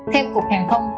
theo cục hàng thông